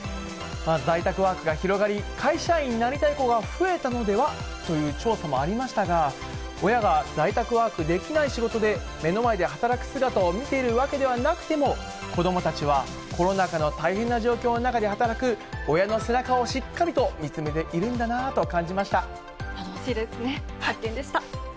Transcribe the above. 在宅ワークが広がり、会社員になりたい子が増えたのではという調査もありましたが、親が在宅ワークできない仕事で目の前で働く姿を見ているわけではなくても、子どもたちは、コロナ禍の大変な状況の中で働く親の背中をしっかりと見つめてい頼もしいですね。